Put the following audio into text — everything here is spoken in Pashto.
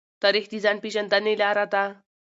تاریخ د ځان پېژندنې لاره ده.